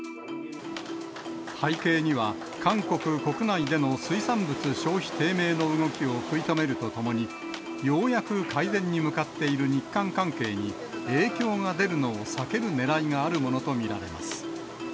背景には、韓国国内での水産物消費低迷の動きを食い止めるとともに、ようやく改善に向かっている日韓関係に影響が出るのを避けるねらいがあるものと見られます。